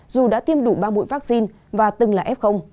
dù đã tiêm đủ ba mũi vaccine và từng là f